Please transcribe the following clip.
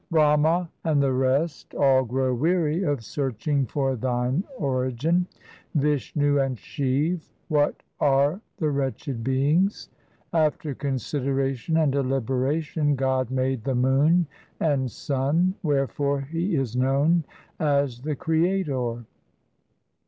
Brahma and the rest all grow weary of searching for Thine origin. Vishnu and Shiv — what are the wretched beings ? After consideration and deliberation God made the moon and sun ; Wherefore He is known as the Creator.